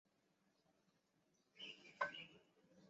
于是德拉就说出他的来历。